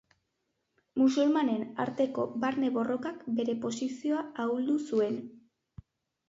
Musulmanen arteko barne-borrokak bere posizioa ahuldu zuen.